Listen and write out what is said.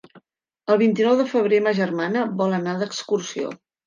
El vint-i-nou de febrer ma germana vol anar d'excursió.